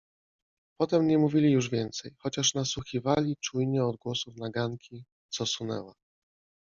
Potem nie mówili już więcej, chociaż nasłuchiwali czujnie odgłosów naganki, co sunęła